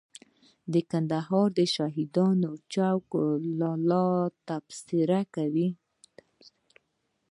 د کندهار شهیدانو چوک لالا تبصره کوي.